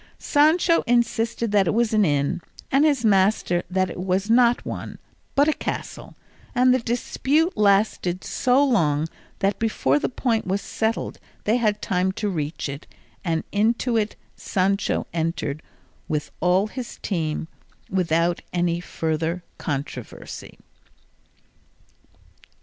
Sancho insisted that it was an inn, and his master that it was not one, but a castle, and the dispute lasted so long that before the point was settled they had time to reach it, and into it Sancho entered with all his team without any further controversy.